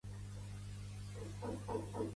Grec a gran velocitat.